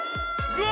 うわ！